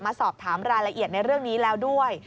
สอบถามรายละเอียดในเรื่องนี้แล้วด้วย